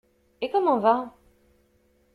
Et comment va?